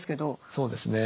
そうですね。